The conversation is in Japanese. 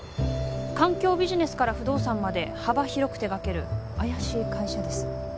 環境ビジネスから不動産まで幅広く手がける怪しい会社です